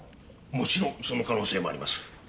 もちろんその可能性もあります。